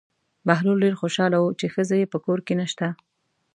بهلول ډېر خوشحاله و چې ښځه یې په کور کې نشته.